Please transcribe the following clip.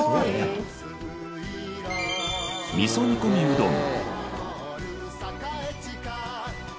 味噌煮込うどん。